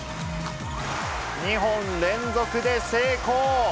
２本連続で成功。